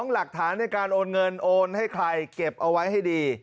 หลักฐานในการโอนเงินโอนให้ใครเก็บเอาไว้ให้ดี